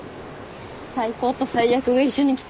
最高と最悪が一緒に来た。